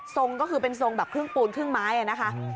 ทรงก็คือเป็นทรงแบบครึ่งปูนครึ่งไม้นะคะ